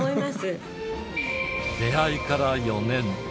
出会いから４年。